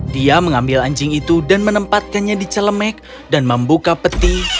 dia mengambil anjing itu dan menempatkannya di celemek dan membuka peti